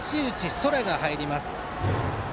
空が入ります。